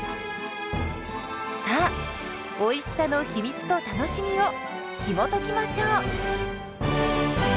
さあおいしさの秘密と楽しみをひもときましょう！